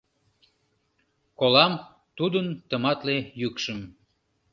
— Колам тудын тыматле йӱкшым.